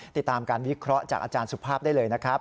ติดตามการวิเคราะห์จากอาจารย์สุภาพได้เลยนะครับ